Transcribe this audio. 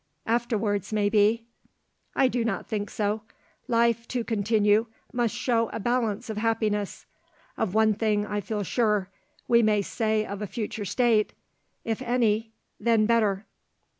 "Afterwards may be." "I do not think so. Life, to continue, must show a balance of happiness. Of one thing I feel sure; we may say of a future state, 'If any, then better.'"